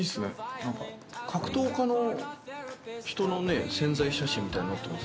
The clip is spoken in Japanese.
何か格闘家の人のね宣材写真みたいになってます